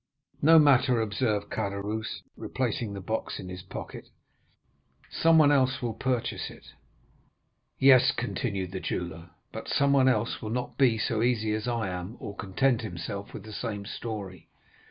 "'No matter,' observed Caderousse, replacing the box in his pocket, 'someone else will purchase it.' "'Yes,' continued the jeweller; 'but someone else will not be so easy as I am, or content himself with the same story.